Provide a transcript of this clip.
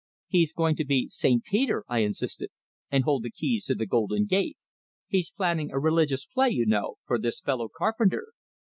"He's going to be St. Peter," I insisted, "and hold the keys to the golden gate. He's planning a religious play, you know, for this fellow Carpenter.